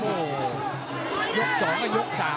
โอ้โหยกสองกับยกสาม